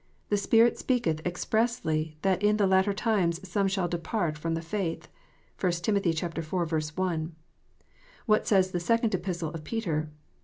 " The Spirit speaketh expressly, that in the latter times some shall depart from the faith." (1 Tim. iv. 1.) What says the Second Epistle of Peter?